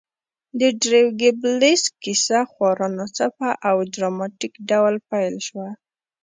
د دریو ګيبلز کیسه خورا ناڅاپه او ډراماتیک ډول پیل شوه